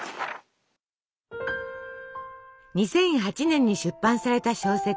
２００８年に出版された小説